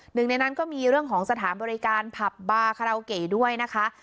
หนึ่งในนั้นก็มีเรื่องของสถานบริการผับบาคาราโอเกะด้วยนะคะ